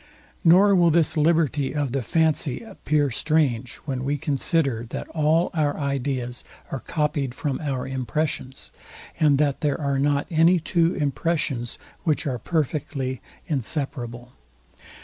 Nor will this liberty of the fancy appear strange, when we consider, that all our ideas are copyed from our impressions, and that there are not any two impressions which are perfectly inseparable.